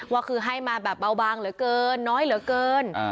ว่าคือให้มาแบบเบาบางเหลือเกินน้อยเหลือเกิน